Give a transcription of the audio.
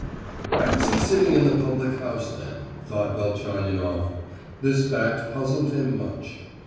"Why was he sitting in the public house then?" thought Velchaninoff. This fact puzzled him much.